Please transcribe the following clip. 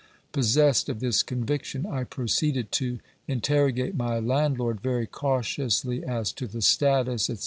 Possessed of this conviction, I proceeded to interrogate my landlord very cautiously as to the status, &c.